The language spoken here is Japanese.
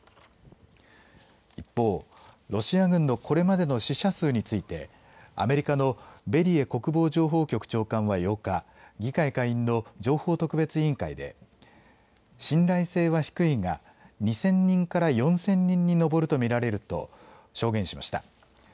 一方、ロシア軍のこれまでの死者数についてアメリカのベリエ国防情報局長官は８日、議会下院の情報特別委員会で信頼性は低いが２０００人から４０００人に上ると見られると証言しました。